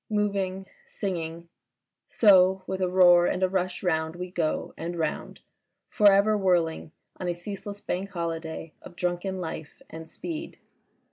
Moving, singing ... so with a roar and a rush round we go and round, for ever whirling on a ceaseless Bank Holiday of drunken life and speed.